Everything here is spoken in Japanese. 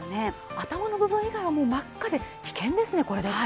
頭の部分以外は真っ赤で危険ですね。